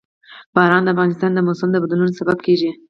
باران د افغانستان د موسم د بدلون سبب کېږي.